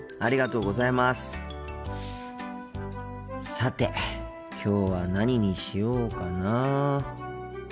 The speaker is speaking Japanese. さてきょうは何にしようかな。